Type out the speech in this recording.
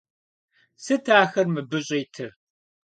Сыт ахэр мыбы щӀитыр?